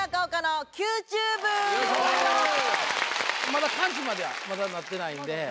まだ完治まではまだなってないんで。